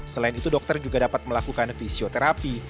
selain itu dokter juga dapat melakukan fisioterapi